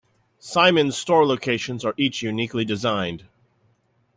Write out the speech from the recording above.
Simons store locations are each uniquely designed.